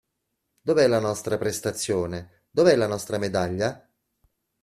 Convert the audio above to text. Dov'è la nostra prestazione, dov'è la nostra medaglia?